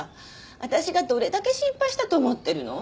あたしがどれだけ心配したと思ってるの？